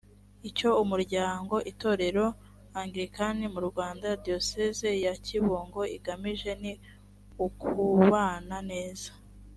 icyo umuryango itorero anglikani mu rwanda diyoseze ya kibungo ugamije ni ukubana neza